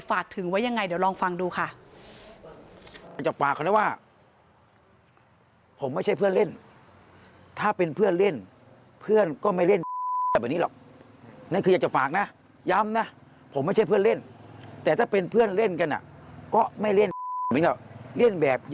ฝากถึงไว้ยังไงเดี๋ยวลองฟังดูค่ะ